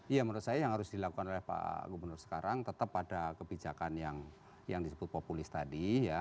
ya menurut saya yang harus dilakukan oleh pak gubernur sekarang tetap pada kebijakan yang disebut populis tadi ya